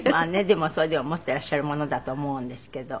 でもそれでも持っていらっしゃるものだと思うんですけど。